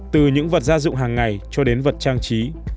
từ những vật gia dụng hàng ngày cho đến vật trang trí